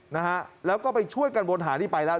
นะฮะแล้วก็ไปช่วยกันวนหานี่ไปแล้ว